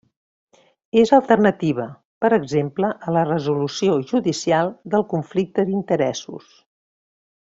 És alternativa, per exemple, a la resolució judicial del conflicte d'interessos.